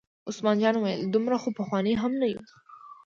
عثمان جان وویل: دومره خو پخواني هم نه یو.